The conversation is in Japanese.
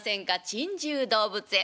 珍獣動物園。